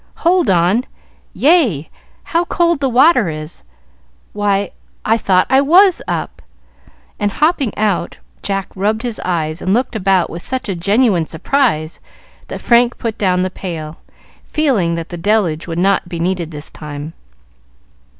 "Hold on! Yah, how cold the water is! Why, I thought I was up;" and, hopping out, Jack rubbed his eyes and looked about with such a genuine surprise that Frank put down the pail, feeling that the deluge would not be needed this time.